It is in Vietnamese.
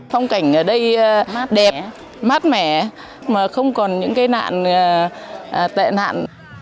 phong cảnh ở đây hát đẹp mát mẻ mà không còn những cái nạn tệ nạn